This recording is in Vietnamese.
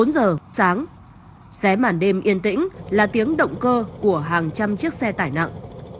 bốn giờ sáng xé mản đêm yên tĩnh là tiếng động cơ của hàng trăm chiếc xe tải nặng